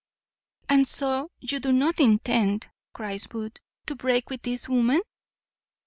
"And so you do not intend," cries Booth, "to break with this woman?"